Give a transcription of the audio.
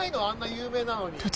あんな有名なのに。